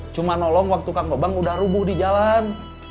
cuma nolong waktu kangkobang udah rubuh di jalan